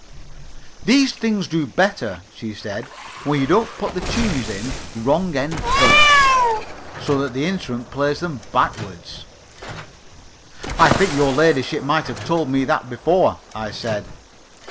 "These things do better," she said, "when you don't put the tunes in wrong end first, so that the instrument plays them backwards." "I think your ladyship might have told me that before," I said.